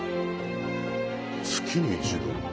月に１度。